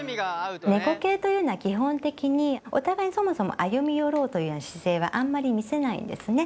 猫系というのは基本的にお互いにそもそも歩み寄ろうという姿勢はあんまり見せないんですね。